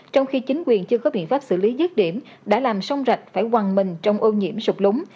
trong khi chính quyền chưa có biện pháp xử lý dứt điểm đã làm sông rạch phải quầng mình trong ô nhiễm sụp lúng